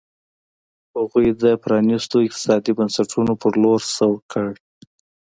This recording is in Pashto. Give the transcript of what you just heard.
هغوی د پرانیستو اقتصادي بنسټونو په لور سوق کړ.